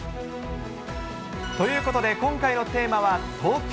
ということで、今回のテーマは東京。